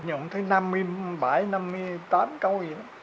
nhận tới năm mươi bảy năm mươi tám câu vậy đó